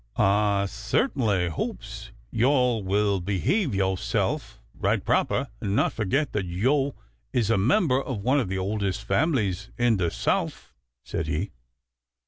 "Ah cert'nly hopes yo'all will behave yo'self right proper and not forget that yo' is a member of one of the oldest families in the Souf," said he.